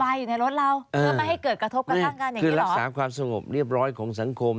อย่างนี้เหรอไม่คือรักษาความสงบเรียบร้อยของสังคม